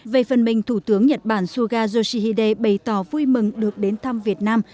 về phần mình thủ tướng nhật bản suga yoshihide bày tỏ vui mừng được đến thăm việt nam